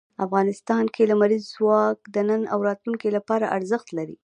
افغانستان کې لمریز ځواک د نن او راتلونکي لپاره ارزښت لري.